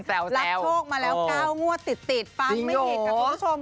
แซวมาแล้วก้าวงั่วติดปั๊บไม่เห็นกับทุกผู้ชม